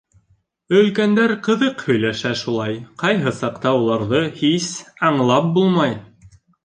Өлкәндәр ҡыҙыҡ һөйләшә шулай, ҡайһы саҡта уларҙы һис аңлап булмай.